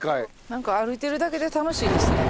なんか歩いてるだけで楽しいですね。